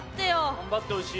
頑張ってほしい。